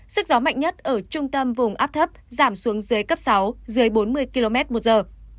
sức gió mạnh nhất ở trung tâm vùng áp thấp giảm xuống dưới cấp sáu dưới bốn mươi km một giờ